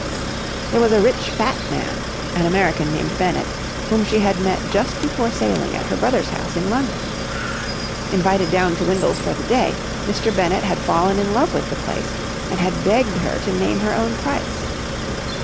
There was a rich, fat man, an American named Bennett, whom she had met just before sailing at her brother's house in London. Invited down to Windles for the day, Mr. Bennett had fallen in love with the place, and had begged her to name her own price.